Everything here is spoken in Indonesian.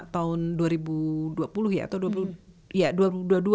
tahun dua ribu dua puluh ya atau